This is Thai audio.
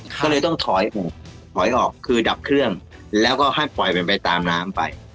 ก็เลยต้องถอยถอยออกคือดับเครื่องแล้วก็ให้ปล่อยมันไปตามน้ำไป